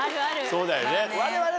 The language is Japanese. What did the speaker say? そうだよね。